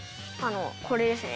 これですね。